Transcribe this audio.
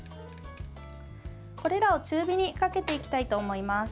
これらを中火にかけていきたいと思います。